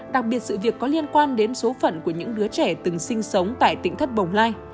đặc biệt sự việc có liên quan đến số phận của những đứa trẻ từng sinh sống tại tỉnh thất bồng lai